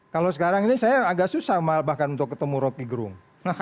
kalau sekarang ini saya agak susah bahkan untuk ketemu roky gerung